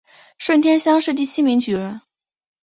顺天乡试第七名举人。